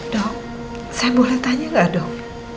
dok saya boleh tanya gak dok